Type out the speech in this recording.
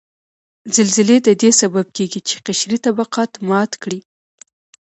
زلزلې ددې سبب کیږي چې قشري طبقات مات کړي